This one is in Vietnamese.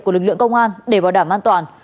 của lực lượng công an để bảo đảm an toàn